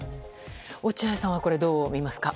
落合さんはこれ、どうみますか？